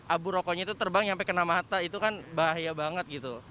abu rokoknya itu terbang sampai kena mata itu kan bahaya banget gitu